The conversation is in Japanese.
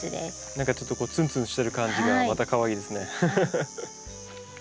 何かちょっとつんつんしてる感じがまたかわいいですね。